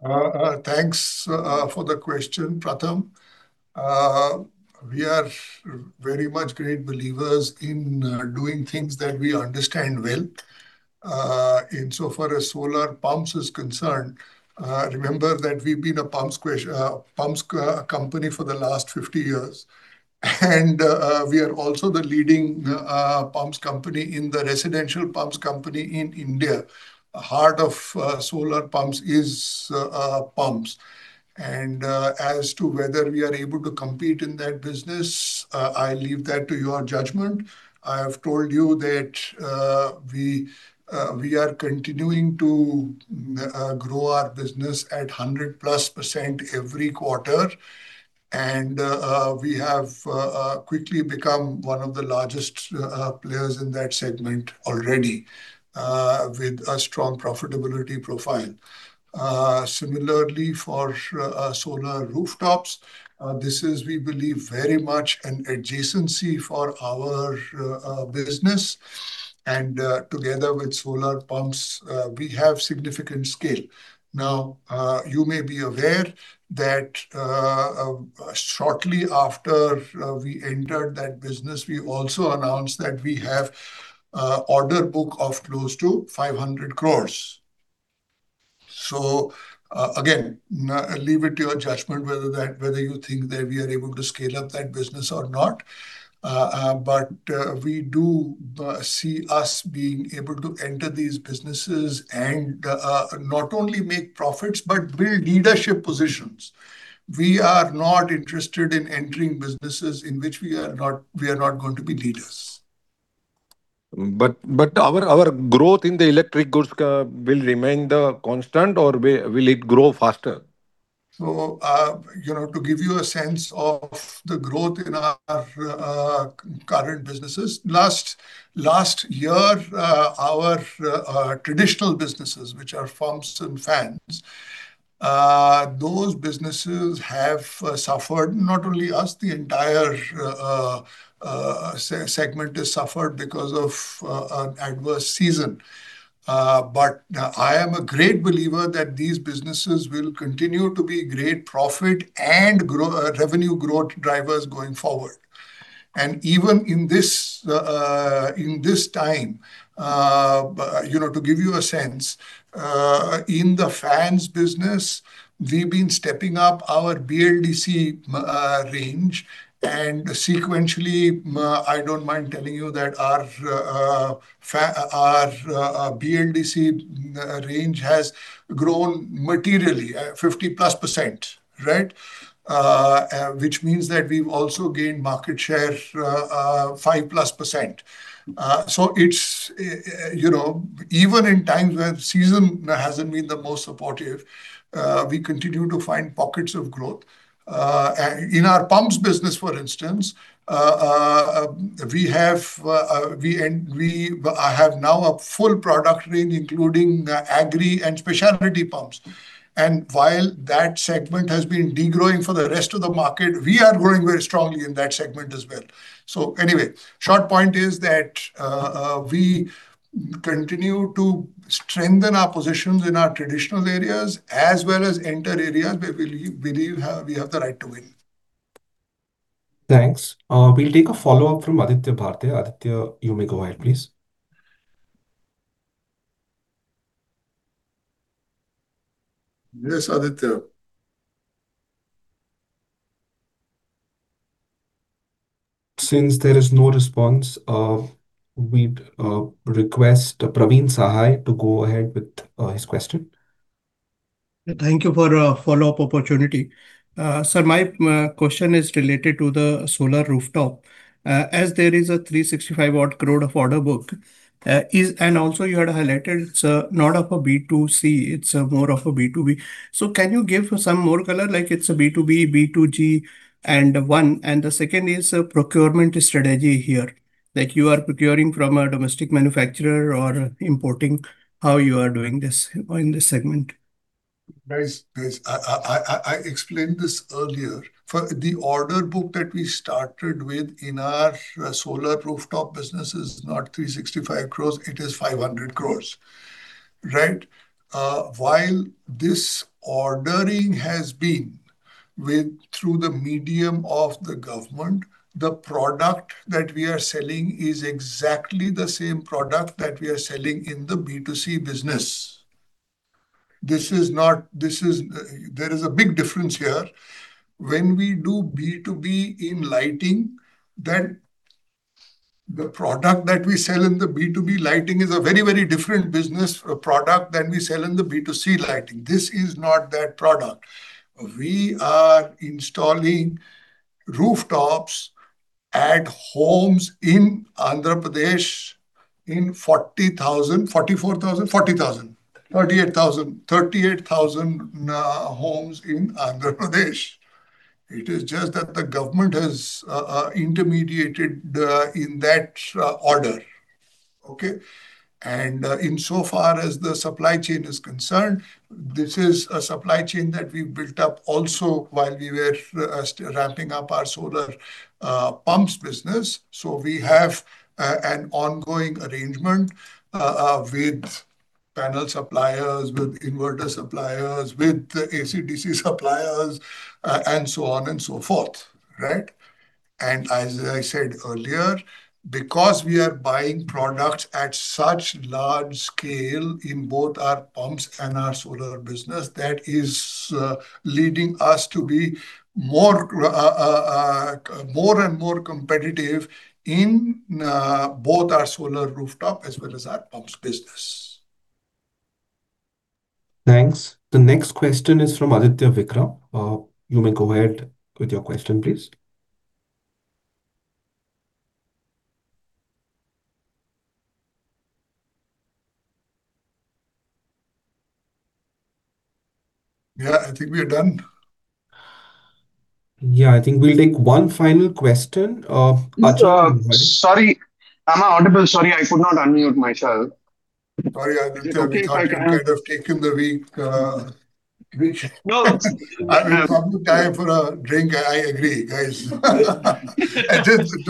Thanks for the question, Pratham. We are very much great believers in doing things that we understand well. Insofar as solar pumps are concerned, remember that we've been a pumps company for the last 50 years. And we are also the leading pumps company in the residential pumps company in India. The heart of solar pumps is pumps. And as to whether we are able to compete in that business, I leave that to your judgment. I have told you that we are continuing to grow our business at 100%+ every quarter. And we have quickly become one of the largest players in that segment already with a strong profitability profile. Similarly, for solar rooftops, this is, we believe, very much an adjacency for our business. And together with solar pumps, we have significant scale. Now, you may be aware that shortly after we entered that business, we also announced that we have an order book of close to 500 crore. So again, leave it to your judgment whether you think that we are able to scale up that business or not. But we do see us being able to enter these businesses and not only make profits but build leadership positions. We are not interested in entering businesses in which we are not going to be leaders. Our growth in the electric goods will remain constant or will it grow faster? So, you know, to give you a sense of the growth in our current businesses, last year, our traditional businesses, which are pumps and fans, those businesses have suffered. Not only us, the entire segment has suffered because of an adverse season. But I am a great believer that these businesses will continue to be great profit and revenue growth drivers going forward. And even in this time, you know, to give you a sense, in the fans business, we've been stepping up our BLDC range. And sequentially, I don't mind telling you that our BLDC range has grown materially, 50%+, right? Which means that we've also gained market share 5%+. So it's, you know, even in times when season hasn't been the most supportive, we continue to find pockets of growth. In our pumps business, for instance, we have now a full product range, including agri and specialty pumps. While that segment has been degrowing for the rest of the market, we are growing very strongly in that segment as well. Anyway, the short point is that we continue to strengthen our positions in our traditional areas as well as enter areas where we believe we have the right to win. Thanks. We'll take a follow-up from Aditya Bhartia. Aditya, you may go ahead, please. Yes, Aditya. Since there is no response, we request Praveen Sahay to go ahead with his question. Thank you for a follow-up opportunity. Sir, my question is related to the solar rooftop. As there is a 365-watt growth of order book, and also you had highlighted it's not of a B2C, it's more of a B2B. So can you give some more color? Like it's a B2B, B2G, and one. And the second is procurement strategy here. Like you are procuring from a domestic manufacturer or importing, how you are doing this in this segment? Guys, I explained this earlier. The order book that we started with in our solar rooftop business is not 365 crore. It is 500 crore, right? While this ordering has been through the medium of the government, the product that we are selling is exactly the same product that we are selling in the B2C business. There is a big difference here. When we do B2B in lighting, the product that we sell in the B2B lighting is a very, very different business product than we sell in the B2C lighting. This is not that product. We are installing rooftops at homes in Andhra Pradesh in 40,000, 44,000, 38,000 homes in Andhra Pradesh. It is just that the government has intermediated in that order. Okay? Insofar as the supply chain is concerned, this is a supply chain that we built up also while we were ramping up our solar pumps business. We have an ongoing arrangement with panel suppliers, with inverter suppliers, with AC/DC suppliers, and so on and so forth, right? As I said earlier, because we are buying products at such large scale in both our pumps and our solar business, that is leading us to be more and more competitive in both our solar rooftop as well as our pumps business. Thanks. The next question is from Aditya Vikram. You may go ahead with your question, please. Yeah, I think we are done. Yeah, I think we'll take one final question. Sorry, am I audible? Sorry, I could not unmute myself. Sorry, Aditya, I kind of taken the mic. I will probably take time for a drink. I agree, guys.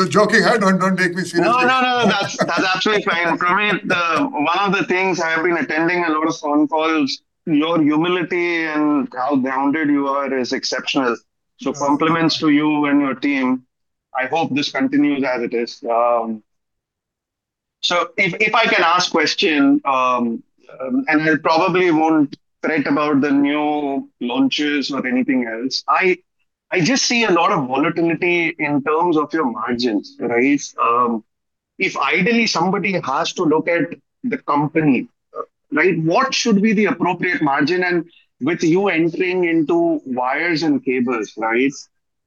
Joking, don't take me seriously. No, no, no, that's absolutely fine. Praveen, one of the things I have been attending a lot of phone calls, your humility and how grounded you are is exceptional. So compliments to you and your team. I hope this continues as it is. So if I can ask a question, and I probably won't fret about the new launches or anything else, I just see a lot of volatility in terms of your margins, right? If ideally somebody has to look at the company, right, what should be the appropriate margin? And with you entering into wires and cables, right,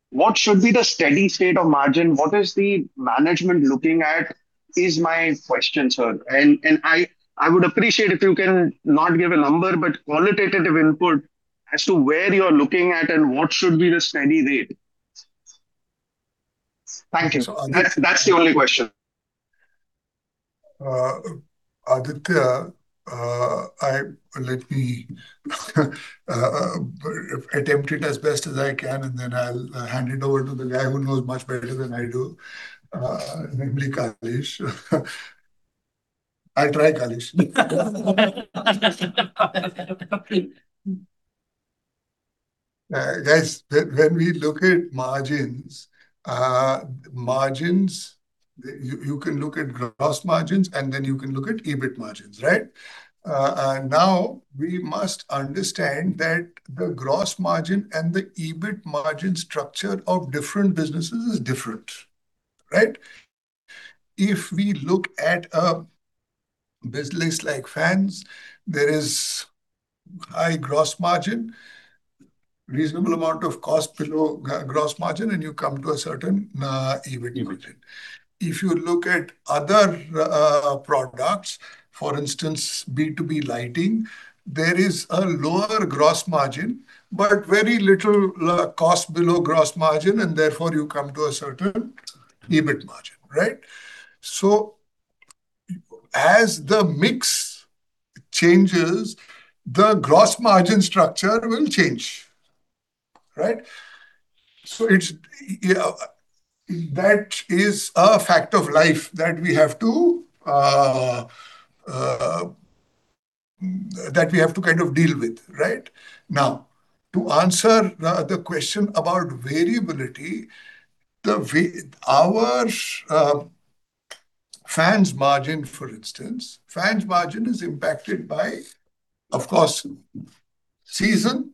what should be the steady state of margin? What is the management looking at is my question, sir. And I would appreciate if you can not give a number, but qualitative input as to where you're looking at and what should be the steady rate. Thank you. That's the only question. Aditya, let me attempt it as best as I can, and then I'll hand it over to the guy who knows much better than I do, namely Kaleeswaran. I'll try, Kaleeswaran. Guys, when we look at margins, you can look at gross margins, and then you can look at EBIT margins, right? Now, we must understand that the gross margin and the EBIT margin structure of different businesses is different, right? If we look at a business like fans, there is a high gross margin, a reasonable amount of cost below gross margin, and you come to a certain EBIT. If you look at other products, for instance, B2B lighting, there is a lower gross margin, but very little cost below gross margin, and therefore you come to a certain EBIT margin, right? So as the mix changes, the gross margin structure will change, right? So that is a fact of life that we have to kind of deal with, right? Now, to answer the question about variability, our fans margin, for instance, fans margin is impacted by, of course, season.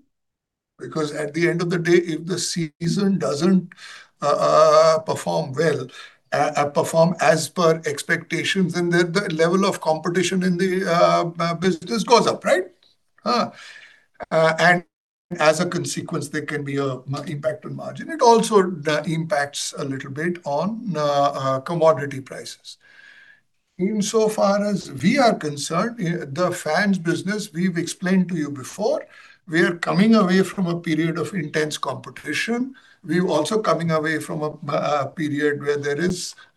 Because at the end of the day, if the season doesn't perform well, perform as per expectations, then the level of competition in the business goes up, right? And as a consequence, there can be an impact on margin. It also impacts a little bit on commodity prices. Insofar as we are concerned, the fans business, we've explained to you before, we are coming away from a period of intense competition. We're also coming away from a period where there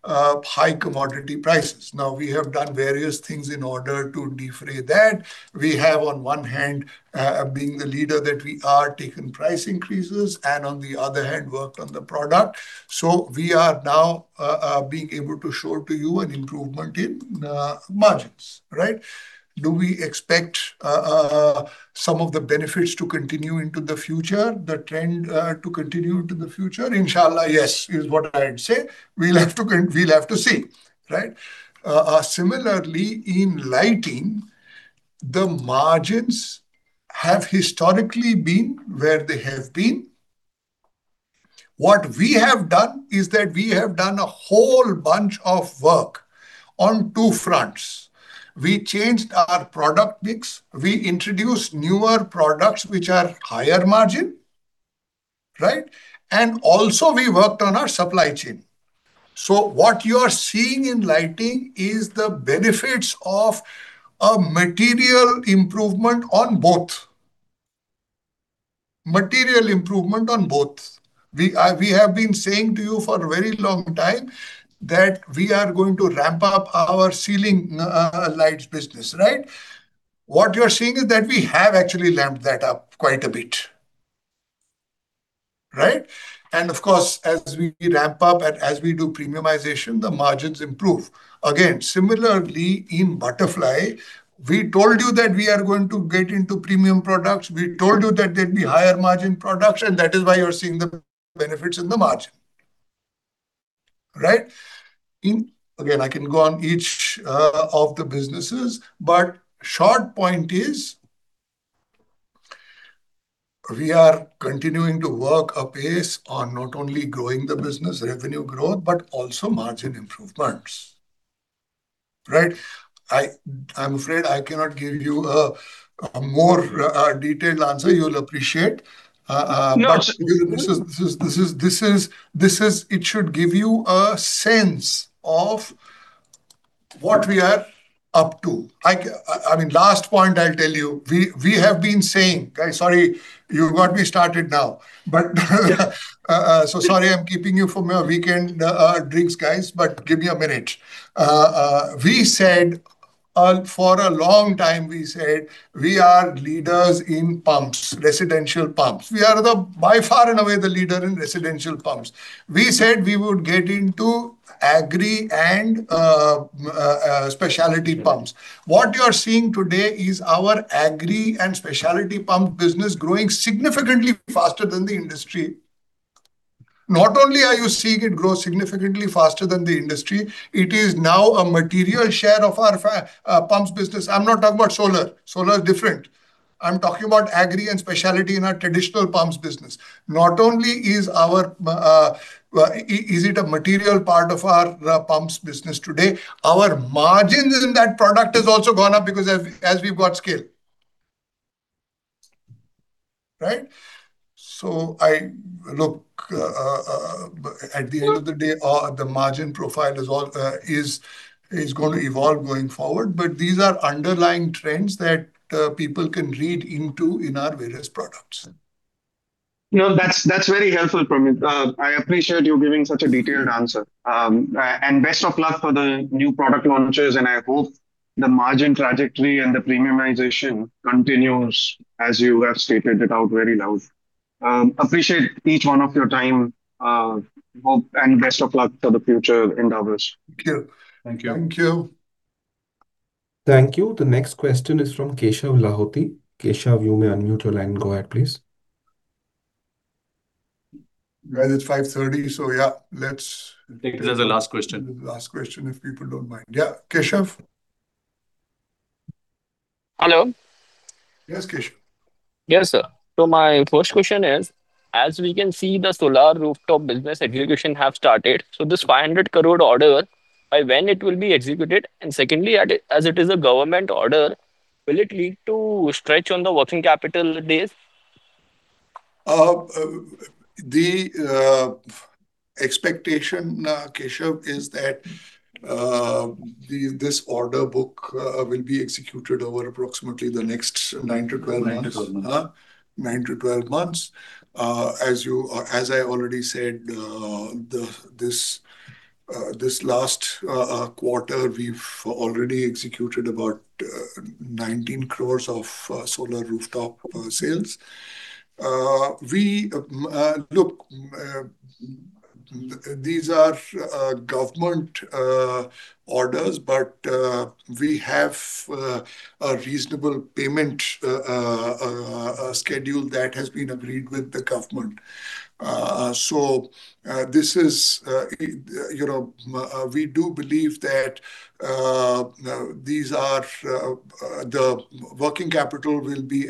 are high commodity prices. Now, we have done various things in order to de-risk that. We have, on one hand, being the leader that we are, taken price increases, and on the other hand, worked on the product. So we are now being able to show to you an improvement in margins, right? Do we expect some of the benefits to continue into the future, the trend to continue into the future? Inshallah, yes, is what I'd say. We'll have to see, right? Similarly, in lighting, the margins have historically been where they have been. What we have done is that we have done a whole bunch of work on two fronts. We changed our product mix. We introduced newer products which are higher margin, right? And also we worked on our supply chain. So what you are seeing in lighting is the benefits of a material improvement on both. Material improvement on both. We have been saying to you for a very long time that we are going to ramp up our ceiling lights business, right? What you are seeing is that we have actually ramped that up quite a bit, right? And of course, as we ramp up and as we do premiumization, the margins improve. Again, similarly, in Butterfly, we told you that we are going to get into premium products. We told you that there'd be higher margin products, and that is why you're seeing the benefits in the margin, right? Again, I can go on each of the businesses, but the short point is we are continuing to work apace on not only growing the business, revenue growth, but also margin improvements, right? I'm afraid I cannot give you a more detailed answer. You'll appreciate. But this is, it should give you a sense of what we are up to. I mean, last point, I'll tell you, we have been saying, guys, sorry, you've got me started now. But so sorry, I'm keeping you from your weekend drinks, guys, but give me a minute. We said for a long time, we said we are leaders in pumps, residential pumps. We are by far and away the leader in residential pumps. We said we would get into agri and specialty pumps. What you are seeing today is our agri and specialty pump business growing significantly faster than the industry. Not only are you seeing it grow significantly faster than the industry, it is now a material share of our pumps business. I'm not talking about solar. Solar is different. I'm talking about agri and specialty in our traditional pumps business. Not only is it a material part of our pumps business today, our margins in that product have also gone up because as we've got scale, right? So I look at the end of the day, the margin profile is going to evolve going forward, but these are underlying trends that people can read into in our various products. No, that's very helpful, Praveen. I appreciate you giving such a detailed answer. Best of luck for the new product launches, and I hope the margin trajectory and the premiumization continues as you have stated it out very loud. Appreciate each one of your time. Hope and best of luck for the future endeavors. Thank you. Thank you. Thank you. Thank you. The next question is from Keshav Lahoti. Keshav, you may unmute your line and go ahead, please. Guys, it's 5:30 P.M., so yeah, let's. Take this as a last question. Last question, if people don't mind. Yeah, Keshav. Hello. Yes, Keshav. Yes, sir. My first question is, as we can see, the solar rooftop business execution has started. This 500 crore order, by when will it be executed? And secondly, as it is a government order, will it lead to a stretch on the working capital days? The expectation, Keshav, is that this order book will be executed over approximately the next 9-12 months. 9-12 months. nine to 12 months. As I already said, this last quarter, we've already executed about 19 crore of solar rooftop sales. Look, these are government orders, but we have a reasonable payment schedule that has been agreed with the government. So we do believe that the working capital will be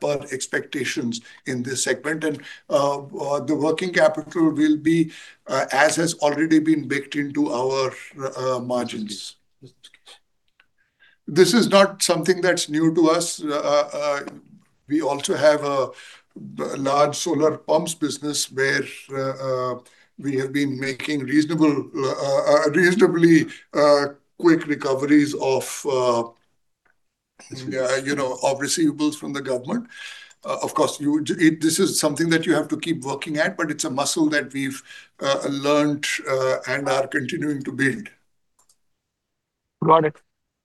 per expectations in this segment, and the working capital will be as has already been baked into our margins. This is not something that's new to us. We also have a large solar pumps business where we have been making reasonably quick recoveries of receivables from the government. Of course, this is something that you have to keep working at, but it's a muscle that we've learned and are continuing to build. Got it.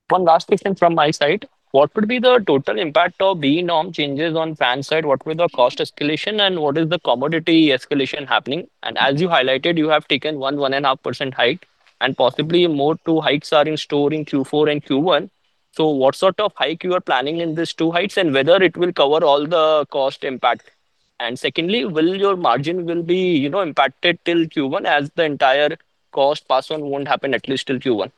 One last question from my side. What would be the total impact of BEE norm changes on fan side? What would be the cost escalation, and what is the commodity escalation happening? And as you highlighted, you have taken one 1.5% hike, and possibly more two hikes are in store in Q4 and Q1. So what sort of hike you are planning in these two hikes, and whether it will cover all the cost impact? And secondly, will your margin be impacted till Q1 as the entire cost pass-on won't happen at least till Q1?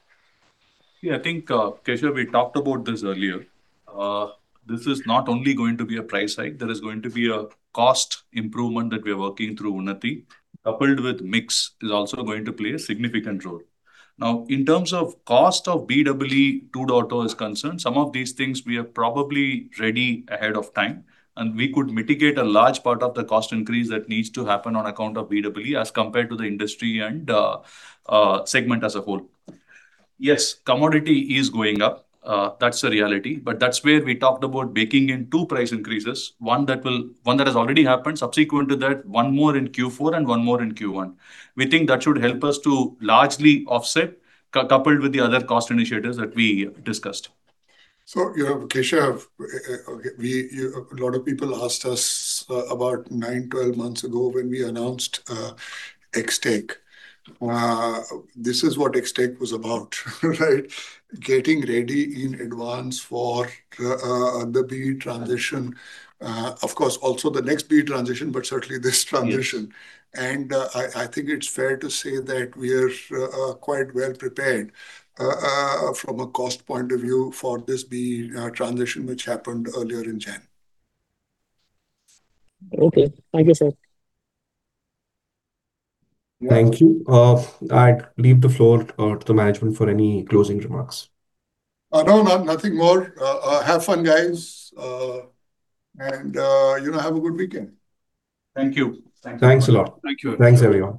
Yeah, I think, Keshav, we talked about this earlier. This is not only going to be a price hike. There is going to be a cost improvement that we are working through, Unnati, coupled with mix is also going to play a significant role. Now, in terms of cost of BEE 2.0 as concerned, some of these things we are probably ready ahead of time, and we could mitigate a large part of the cost increase that needs to happen on account of BEE as compared to the industry and segment as a whole. Yes, commodity is going up. That's the reality. But that's where we talked about baking in two price increases, one that has already happened, subsequent to that, one more in Q4 and one more in Q1. We think that should help us to largely offset, coupled with the other cost initiatives that we discussed. So Keshav, a lot of people asked us about nine, 12 months ago when we announced Xstate. This is what Xstate was about, right? Getting ready in advance for the BEE transition, of course, also the next BEE transition, but certainly this transition. I think it's fair to say that we are quite well prepared from a cost point of view for this BEE transition which happened earlier in January. Okay. Thank you, sir. Thank you. I'd leave the floor to the management for any closing remarks. No, nothing more. Have fun, guys. Have a good weekend. Thank you. Thanks a lot. Thanks a lot. Thanks, everyone.